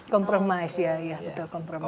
kompromis ya betul kompromis